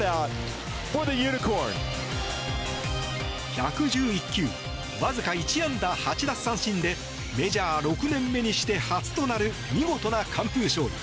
１１１球わずか１安打８奪三振でメジャー６年目にして初となる見事な完封勝利。